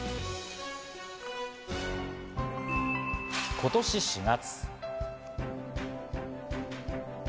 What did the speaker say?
今年４月。